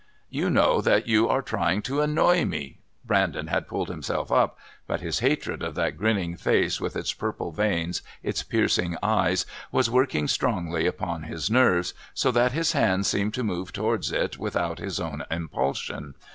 "You know that you are trying to annoy me." Brandon, had pulled himself up, but his hatred of that grinning face with its purple veins, its piercing eyes, was working strongly upon his nerves, so that his hands seemed to move towards it without his own impulsion.